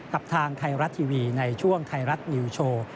กับทางไทยรัฐทีวีในช่วงไทยรัฐนิวโชว์